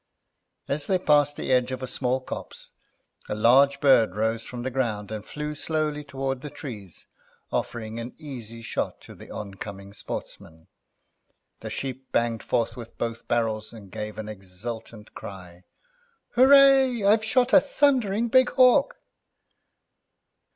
As they passed the edge of a small copse a large bird rose from the ground and flew slowly towards the trees, offering an easy shot to the oncoming sportsmen. The Sheep banged forth with both barrels, and gave an exultant cry. "Horray! I've shot a thundering big hawk!"